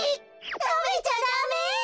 たべちゃダメ！